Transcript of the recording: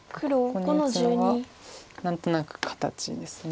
ここに打つのは何となく形です。